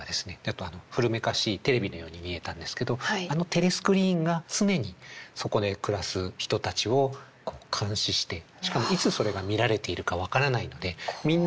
古めかしいテレビのように見えたんですけどあのテレスクリーンが常にそこで暮らす人たちを監視してしかもいつそれが見られているか分からないので。